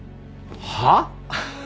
はあ？